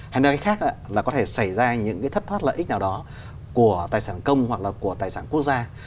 hay nào khác có thể xảy ra những thất thoát lợi ích nào đó của tài sản công hoặc là của tài sản quốc gia